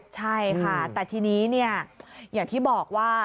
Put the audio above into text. ใช่ค่ะแต่ทีนี้อย่างที่บอกว่า